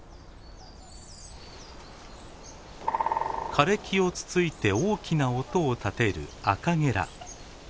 枯れ木をつついて大きな音を立てるアカゲラ。